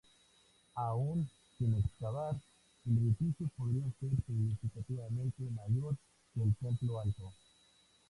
Aún sin excavar, el edificio podría ser significativamente mayor que el Templo Alto.